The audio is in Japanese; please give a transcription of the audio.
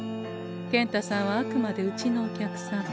健太さんはあくまでうちのお客様。